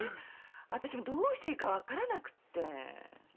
私もどうしていいか分からなくて。